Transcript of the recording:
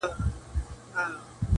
خو هغه د همدغو -